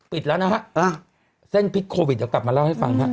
ปิดแล้วนะฮะเส้นพิษโควิดเดี๋ยวกลับมาเล่าให้ฟังฮะ